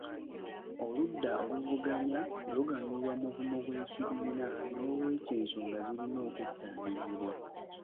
Oludda oluvuganya luganyulwa mu bumu bw'ekibiina n'olwekyo ensonga zirina okuttaanyizibwa.